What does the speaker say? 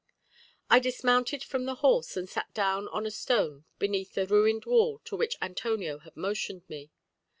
I dismounted from the horse, and sat down on a stone beneath the ruined wall to which Antonio had motioned me.